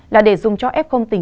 là để dùng cho f tình trạng nặng